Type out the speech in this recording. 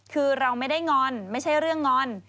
คือเราไม่ได้งอนไม่ใช่เรื่องงอน